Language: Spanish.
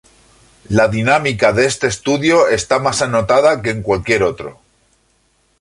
La dinámica de este estudio está más anotada que en cualquier otro.